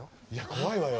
怖いわよ。